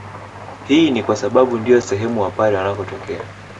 Hii ni kwasababu ndiyo sehem wapare wanakotokea